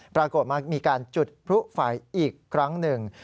ปรากฏว่ามีการจุดพลุไฟอีกครั้งหนึ่ง